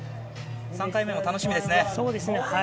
３回目も楽しみですね。